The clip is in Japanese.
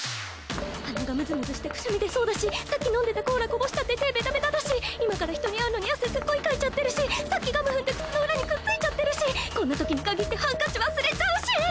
鼻がむずむずしてくしゃみ出そうだしさっき飲んでたコーラこぼしちゃって手ベタベタだし今から人に会うのに汗すっごいかいちゃってるしさっきガム踏んで靴の裏にくっついちゃってるしこんなときにかぎってハンカチ忘れちゃうし！